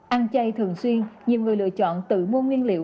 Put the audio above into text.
ăn chay thường xuyên nhiều người lựa chọn tự mua nguyên liệu